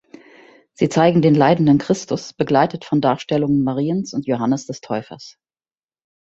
Sie zeigen den leidenden Christus begleitet von Darstellungen Mariens und Johannes des Täufers.